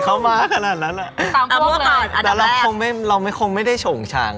ตามพวกก่อนแหละตอนแรกแล้วไม่ต้องคิดอะไรแล้ว